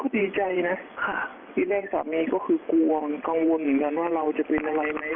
ดีใจนะที่แม่สามีก็คือกลัวกังวลเหมือนกันว่าเราจะเป็นอะไรไหม